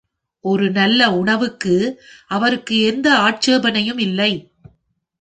ஒரு நல்ல உணவுக்கு அவருக்கு எந்த ஆட்சேபனையும் இல்லை.